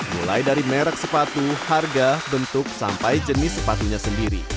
mulai dari merek sepatu harga bentuk sampai jenis sepatunya sendiri